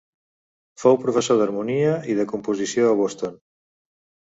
Fou professor d'harmonia i de composició a Boston.